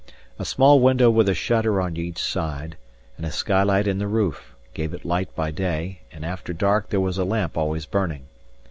A small window with a shutter on each side, and a skylight in the roof, gave it light by day; and after dark there was a lamp always burning.